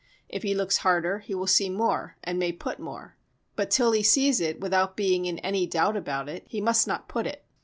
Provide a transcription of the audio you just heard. If he looks harder he will see more, and may put more, but till he sees it without being in any doubt about it, he must not put it.